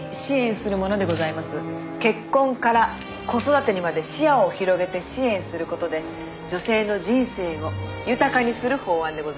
「結婚から子育てにまで視野を広げて支援する事で女性の人生を豊かにする法案でございます」